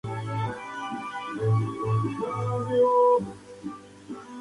Las referencias que hace Cervantes en su Quijote a esta preparación son varias.